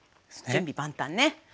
準備万端ね。